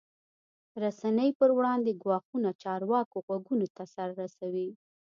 رسنۍ پر وړاندې ګواښونه چارواکو غوږونو ته رسوي.